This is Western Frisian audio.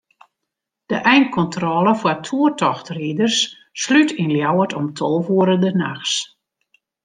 De einkontrôle foar toertochtriders slút yn Ljouwert om tolve oere de nachts.